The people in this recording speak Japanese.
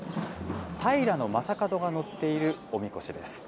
平将門が乗っているおみこしです。